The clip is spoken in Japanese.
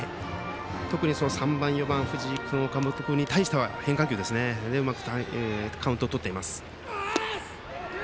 特に３番、４番藤井君、岡本君に対しては変化球でうまくカウントをとっています。